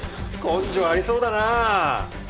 根性ありそうだなあ。